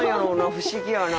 不思議やな。